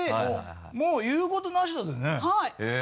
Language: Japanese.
もう言うことなしだぜねぇ？